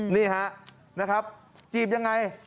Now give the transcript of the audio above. นี่ฮะนะครับจีบยังไง